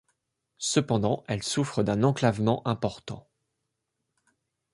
Cependant, elle souffre d'un enclavement important.